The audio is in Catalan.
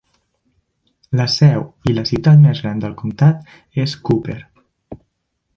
La seu i la ciutat més gran del comtat és Cooper.